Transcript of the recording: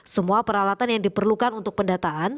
semua peralatan yang diperlukan untuk pendataan